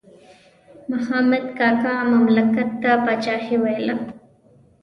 مخامد کاکا مملکت ته پاچاهي ویله.